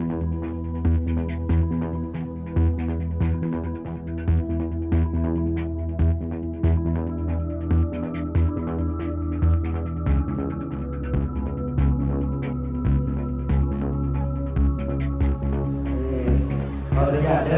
ลาย